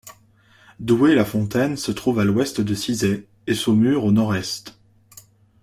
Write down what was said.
Doué-la-Fontaine se trouve à à l'ouest de Cizay, et Saumur à au nord-est.